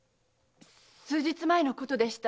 数日前のことでした。